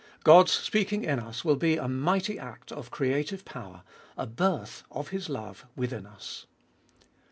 God's speaking in us will be a mighty act of creative power, a birth of His love within us.